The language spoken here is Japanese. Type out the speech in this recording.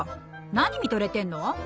何見とれてんの！